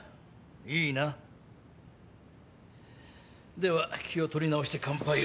では気を取り直して乾杯を。